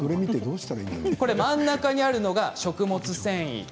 真ん中にあるのが食物繊維。